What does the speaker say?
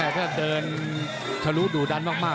ถ้าเดินทะลุดุดันมาก